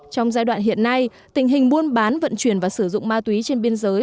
trong giai đoạn hiện nay tình hình buôn bán vận chuyển và sử dụng ma túy trên biên giới